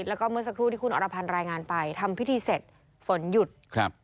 แล้วก็เมื่อสักครู่ที่คุณอรพันธ์รายงานไปทำพิธีเสร็จฝนหยุดครับ